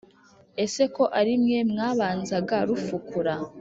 ese ko ari mwe mwabanzaga rufukura